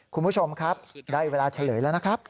คุณผู้ชมครับได้เวลาเฉลยแล้วนะครับ